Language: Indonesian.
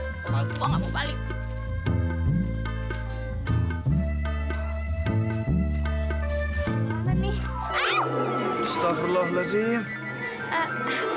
trumpet gua ga mau balik